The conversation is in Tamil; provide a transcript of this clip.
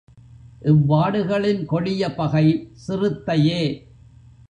இவ் வாடுகளின் கொடிய பகை சிறுத்தையே.